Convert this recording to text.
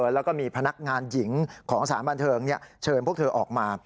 แล้วก็มีพนักงานหญิงของสารบันเทิงเชิญพวกเธอออกมา